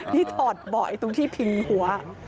นี่ถอดบ่อยตรงที่พิงหัว